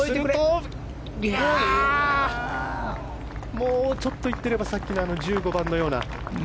もうちょっといっていればさっきの１５番のような。